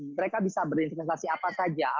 mereka bisa berinvestasi apa saja